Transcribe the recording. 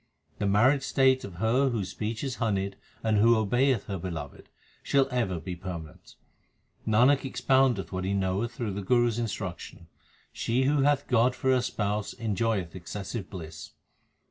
The married state of her whose speech is honeyed and who obeyeth her Beloved, shall ever be permanent. Nanak expoundeth what he knoweth through the Guru s instruction she who hath God for her Spouse enjoyeth excessive bliss.